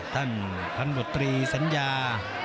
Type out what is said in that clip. ท่านบุตรีสัญญา